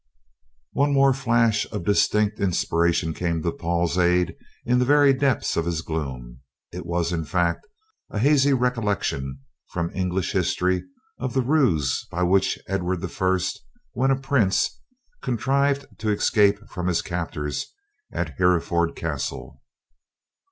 One more flash of distinct inspiration came to Paul's aid in the very depths of his gloom. It was, in fact, a hazy recollection from English history of the ruse by which Edward I., when a prince, contrived to escape from his captors at Hereford Castle.